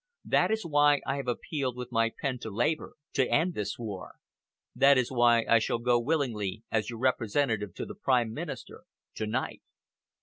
That is why I have appealed with my pen to Labour, to end this war. That is why I shall go willingly as your representative to the Prime Minister to night."